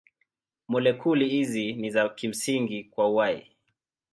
Molekuli hizi ni za kimsingi kwa uhai.